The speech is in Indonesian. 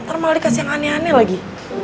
ntar malah dikasih yang aneh aneh lagi